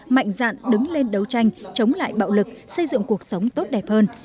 mạnh dạn đứng lên đấu tranh chống lại bạo lực xây dựng cuộc sống tốt đẹp hơn